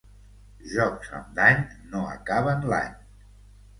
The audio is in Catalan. Jocs amb dany no acaben l'any.